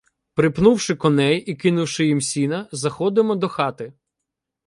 Припнувши коней і кинувши їм сіна, заходимо до хати.